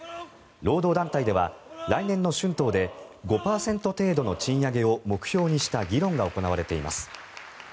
労働団体では来年の春闘で５％程度の賃上げを目標にした議論が行われています。